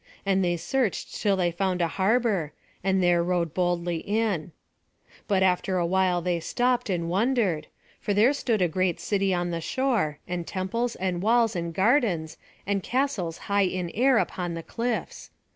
And they searched till they found a harbour, and there rowed boldly in. But after awhile they stopped, and wondered; for there stood a great city on the shore, and temples and walls and gardens, and castles high in air upon the cliffs.